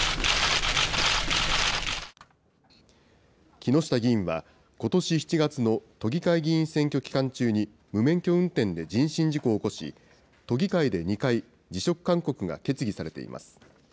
木下議員はことし７月の都議会議員選挙期間中に無免許運転で人身事故を起こし、都議会で２回、辞職勧告が決議されています。